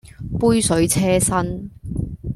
杯水車薪